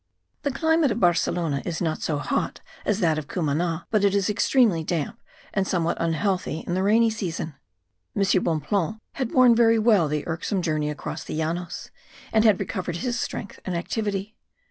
The climate of Barcelona is not so hot as that of Cumana but it is extremely damp and somewhat unhealthy in the rainy season. M. Bonpland had borne very well the irksome journey across the Llanos; and had recovered his strength and activity.